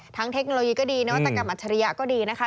เทคโนโลยีก็ดีนวัตกรรมอัจฉริยะก็ดีนะคะ